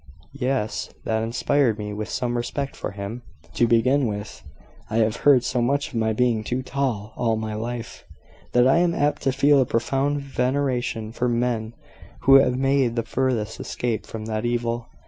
"Yes; that inspired me with some respect for him, to begin with. I have heard so much of my being too tall, all my life, that I am apt to feel a profound veneration for men who have made the furthest escape from that evil.